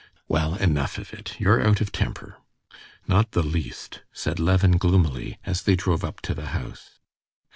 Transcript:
"Well, enough of it! You're out of temper." "Not the least," said Levin gloomily, as they drove up to the house.